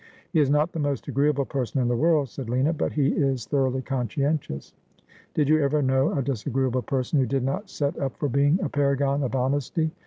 ' He is not the most agreeable person in the world,' said Lina ;' but he is thoroughly conscientious.' ' Did j ou ever know a disagreeable person who did not set up for being a paragon of honesty